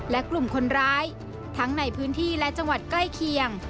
และกลุ่มคนร้ายทั้งในพื้นที่และจังหวัดใกล้เคียง